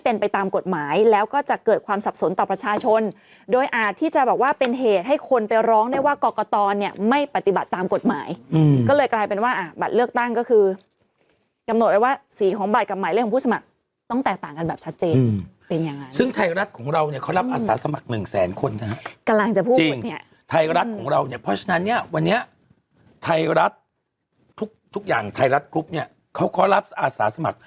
ก็เลยกลายเป็นว่าอ่าบัตรเลือกตั้งก็คือกำหนดไว้ว่าสีของบาทกับหมายเลขของผู้สมัครต้องแตกต่างกันแบบชัดเจนเป็นอย่างงั้นซึ่งไทยรัฐของเราเนี่ยเขารับอัตรศาสตร์สมัครหนึ่งแสนคนนะฮะกำลังจะพูดจริงไทยรัฐของเราเนี่ยเพราะฉะนั้นเนี่ยวันนี้ไทยรัฐทุกทุกอย่างไทยรัฐครุฟเนี่ยเขา